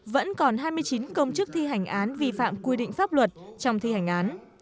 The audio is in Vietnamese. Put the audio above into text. vẫn còn hai mươi chín công chức thi hành án vi phạm quy định pháp luật trong thi hành án